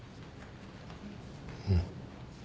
うん。